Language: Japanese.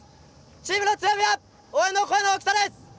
チームの強みは応援の声の大きさです。